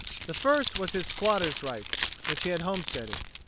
The first was his squatter's rights, which he had homesteaded.